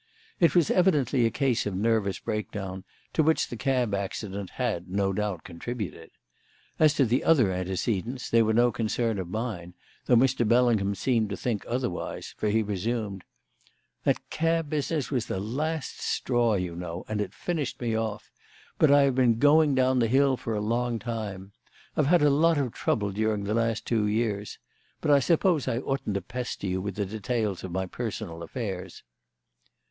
It was evidently a case of nervous breakdown, to which the cab accident had, no doubt, contributed. As to the other antecedents, they were no concern of mine, though Mr. Bellingham seemed to think otherwise, for he resumed: "That cab business was the last straw, you know, and it finished me off, but I have been going down the hill for a long time. I've had a lot of trouble during the last two years. But I suppose I oughtn't to pester you with the details of my personal affairs."